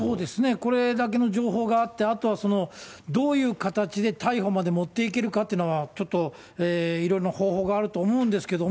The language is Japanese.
これだけの情報があって、あとは、どういう形で逮捕まで持っていけるかっていうのは、ちょっといろいろな方法があると思うんですけれども。